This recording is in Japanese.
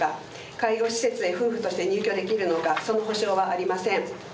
介護施設へ夫婦として入居できるのかその保証はありません。